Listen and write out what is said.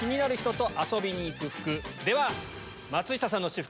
では松下さんの私服。